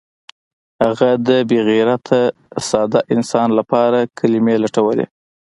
هغه د بې غیرته ساده انسان لپاره کلمې لټولې